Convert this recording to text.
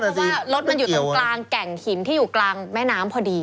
เพราะว่ารถมันอยู่ตรงกลางแก่งหินที่อยู่กลางแม่น้ำพอดี